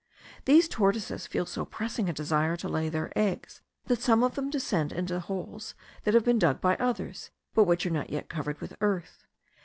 These tortoises feel so pressing a desire to lay their eggs, that some of them descend into holes that have been dug by others, but which are not yet covered with earth.